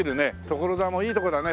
所沢もいいとこだね。